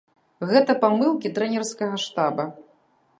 Гэта памылкі трэнерскага штаба.